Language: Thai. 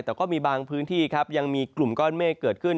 แต่ก็มีบางพื้นที่ครับยังมีกลุ่มก้อนเมฆเกิดขึ้น